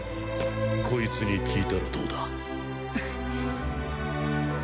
コイツに聞いたらどうだ？